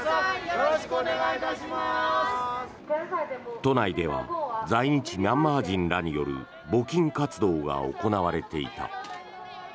都内では在日ミャンマー人らによる募金活動が行われていた。